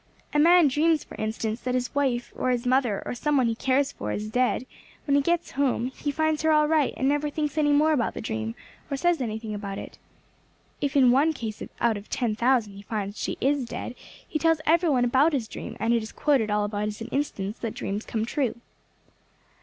A man dreams, for instance, that his wife, or his mother, or some one he cares for, is dead; when he gets home he finds her all right, and never thinks any more about the dream, or says anything about it. If in one case out of ten thousand he finds she is dead, he tells every one about his dream, and it is quoted all about as an instance that dreams come true."